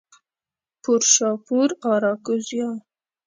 پورشاپور، آراکوزیا